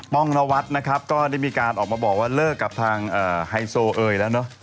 ้องนวัดนะครับก็ได้มีการออกมาบอกว่าเลิกกับทางไฮโซเอยแล้วเนอะ